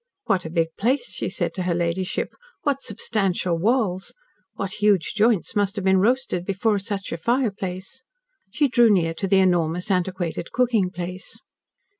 "What a big place," she said to her ladyship. "What substantial walls! What huge joints must have been roasted before such a fireplace." She drew near to the enormous, antiquated cooking place.